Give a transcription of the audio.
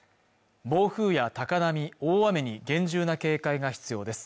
暴風や高波、大雨に厳重な警戒が必要です